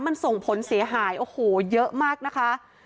มันส่งผลเสียหายโอ้โหเยอะมากนะคะ